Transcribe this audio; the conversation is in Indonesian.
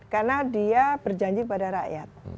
karena dia berjanji pada rakyat